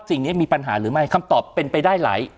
สิ่งนี้มีปัญหาหรือไม่คำตอบเป็นไปได้หลาย